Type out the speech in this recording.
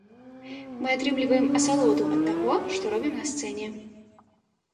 Мы атрымліваем асалоду ад таго, што робім на сцэне.